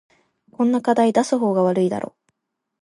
こんな課題出す方が悪いだろ